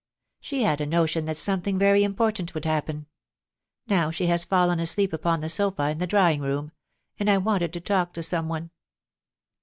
She had a notion that something very important would happ>en. Now she has fallen asleep upon the sofa in the drawing room; and I wanted to talk to some one.'